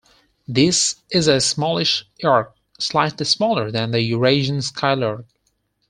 This is a smallish lark, slightly smaller than the Eurasian skylark.